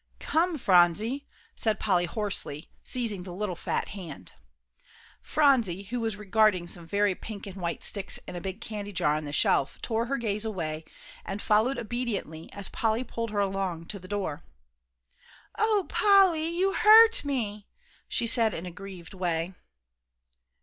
"Come, Phronsie," said Polly, hoarsely, seizing the little fat hand. Phronsie, who was regarding some very pink and white sticks in a big candy jar on the shelf, tore her gaze away, and followed obediently as Polly pulled her along to the door. "Oh, Polly, you hurt me," she said in a grieved way.